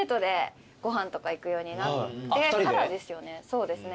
そうですね。